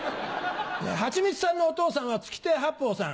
八光さんのお父さんは月亭八方さん。